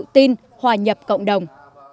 tự tin hòa nhập cộng đồng